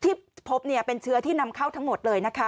ที่พบเป็นเชื้อที่นำเข้าทั้งหมดเลยนะคะ